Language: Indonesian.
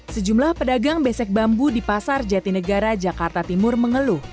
sejumlah pedagang besek bambu di pasar jatinegara jakarta timur mengeluh